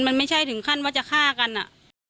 มันไม่ใช่ถึงขั้นว่าจะฆ่ากันอ่ะ